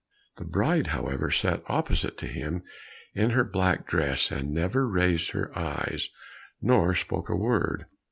The bride, however, sat opposite to him in her black dress, and never raised her eyes, nor spoke a word.